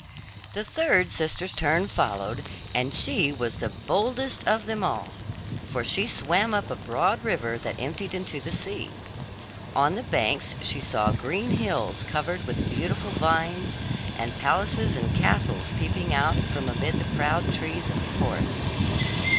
The third sister's turn followed, and she was the boldest of them all, for she swam up a broad river that emptied into the sea. On the banks she saw green hills covered with beautiful vines, and palaces and castles peeping out from amid the proud trees of the forest.